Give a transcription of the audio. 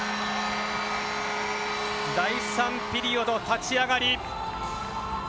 第３ピリオドの立ち上がり。